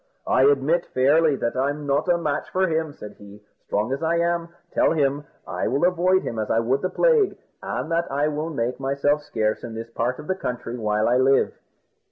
"I admit fairly that I'm not a match for him," said he, "strong as I am; tell him I will avoid him as I would the plague, and that I will make myself scarce in this part of the country while I live."